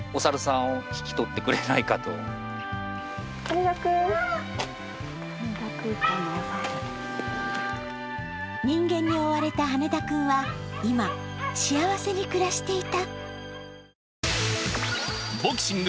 羽田くんも人間に追われた羽田くんは今、幸せに暮らしていた。